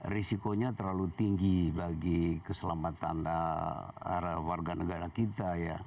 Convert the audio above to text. risikonya terlalu tinggi bagi keselamatan warga negara kita